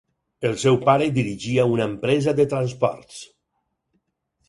El seu pare dirigia una empresa de transports.